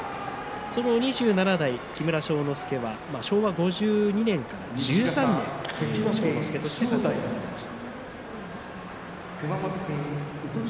その２７代木村庄之助は昭和５２年から１３年木村庄之助として活躍されました。